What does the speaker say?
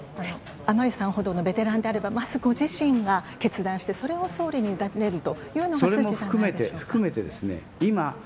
甘利さんほどのベテランであれば、まずご自身が決断して、それを総理に委ねるというのが筋かと。